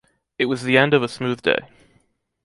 It was the end of a smooth day.